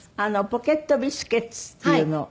ポケットビスケッツっていうのを。